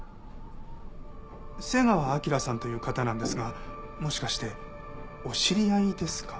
瀬川彰さんという方なんですがもしかしてお知り合いですか？